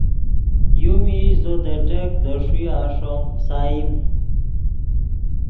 یو میش زو دے ٹیک دے ݰویہ ݰوم فسائیم